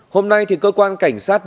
hôm nay thì cơ quan cảnh sát